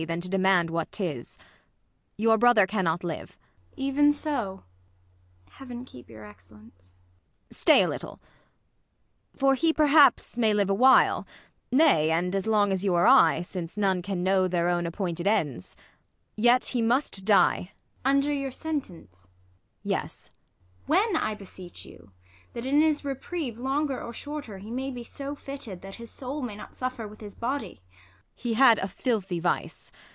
Than to demand what 'tis : your brother cannot live. ISAB. Even so ? Heaven keep your Excellence. Ang. Stay a little, V. K 146 THE LAW AGAINST LOVERS. For he perhaps may live aAvhile : nay, and As long as you or I, since none can know Their own appointed ends. Yet, he must die. ISAB. Under your sentence 1 Ang. Yes. ISAB. When, I beseech you 1 that, in his reprieve Longer or shorter, he may be so fitted Tliat his soul may not suffer with his body. Ang. He had a filthy vice.